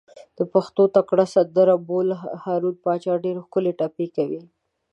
د پښتو تکړه سندر بول، هارون پاچا ډېرې ښکلې ټپې کوي.